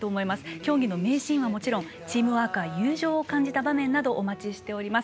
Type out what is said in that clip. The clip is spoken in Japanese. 競技の名シーンはもちろんチームワークや友情を感じた場面などお待ちしています。